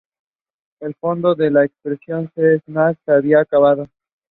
He was there for eight months.